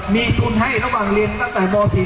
มีทุนให้ระหว่างเรียนตั้งแต่ม๔ถึงม๖ด้วย